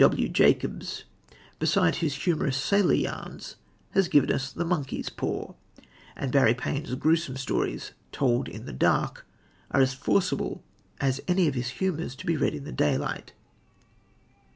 W.W. Jacobs, besides his humorous sailor yarns, has given us The Monkey's Paw; and Barry Pain's gruesome stories, Told in the Dark, are as forcible as any of his humours to be read in the daylight.